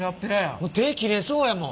手切れそうやもん。